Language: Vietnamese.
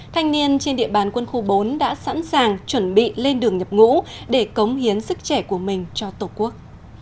thanh niên trên địa bàn quân khu bốn đã sẵn sàng chuẩn bị lên đường nhập ngũ để cống hiến sức trẻ của mình cho tổ quốc